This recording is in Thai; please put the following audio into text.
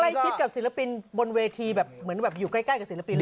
ใกล้ชิดกับศิลปินบนเวทีแบบเหมือนแบบอยู่ใกล้กับศิลปินเลย